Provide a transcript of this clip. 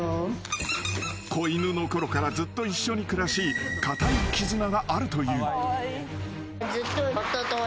［子犬のころからずっと一緒に暮らし固い絆があるという］